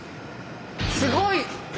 すごい！